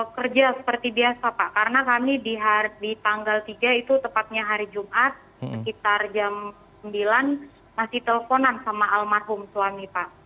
kerja seperti biasa pak karena kami di tanggal tiga itu tepatnya hari jumat sekitar jam sembilan masih teleponan sama almarhum suami pak